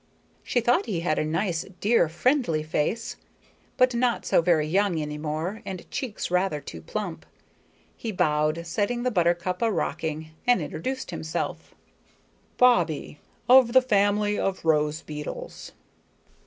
She thought he had a nice, dear, friendly face but not so very young any more and cheeks rather too plump. He bowed, setting the buttercup a rocking, and introduced himself: "Bobbie, of the family of rose beetles."